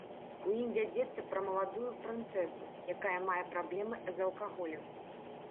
У ім вядзецца пра маладую прынцэсу, якая мае праблемы з алкаголем.